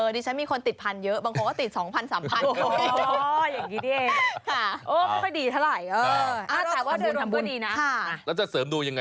ดิฉันมีคนติดพันเยอะบางคนก็ติด๒๓พัน